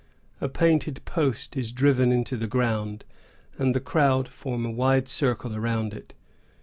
A painted post is driven into the ground, and the crowd form a wide circle around it.